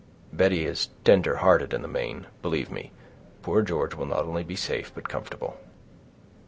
"Betty is tender hearted in the main; believe me, poor George will not only be safe, but comfortable."